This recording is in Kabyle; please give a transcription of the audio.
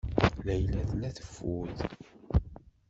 Layla tella teffud.